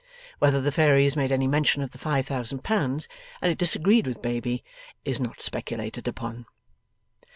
Whether the fairies made any mention of the five thousand pounds, and it disagreed with Baby, is not speculated upon.